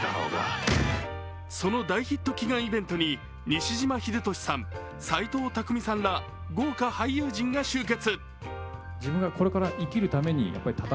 その大ヒット祈願イベントに西島秀俊さん、斎藤工さんら豪華俳優陣が集結。